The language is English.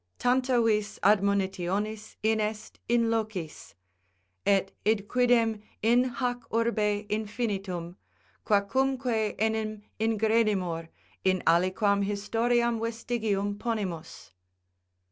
"Tanta vis admonitionis inest in locis....Et id quidem in hac urbe infinitum; quacumque enim ingredimur, in aliquam historiam vestigium ponimus."